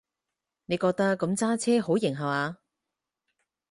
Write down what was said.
你覺得噉揸車好型下話？